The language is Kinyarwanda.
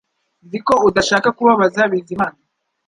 Nzi ko udashaka kubabaza Bizimana